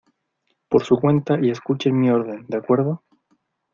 por su cuenta y escuchen mi orden, ¿ de acuerdo?